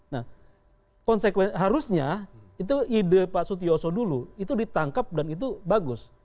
nah konsekuensi harusnya itu ide pak sutioso dulu itu ditangkap dan itu bagus